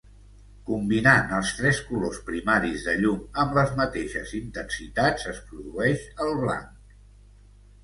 Combinant els tres colors primaris de llum amb les mateixes intensitats, es produeix el blanc.